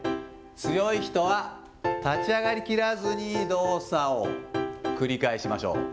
強い人は、立ち上がりきらずに、動作を繰り返しましょう。